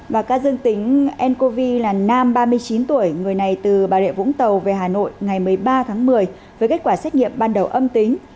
và ca dương tính ncov là nam ba mươi chín tuổi người này từ bà rịa vũng tàu về hà nội ngày một mươi ba tháng một mươi với kết quả xét nghiệm ban đầu âm tính